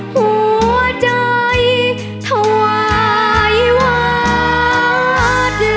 หัวใจถวายวาดของพีม